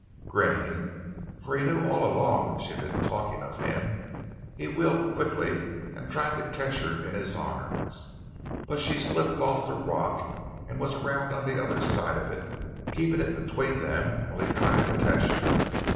Grinning, for he knew all along that she had been talking of him, he wheeled quickly and tried to catch her in his arms. But she slipped off the rock and was around on the other side of it, keeping it between them while he tried to catch her.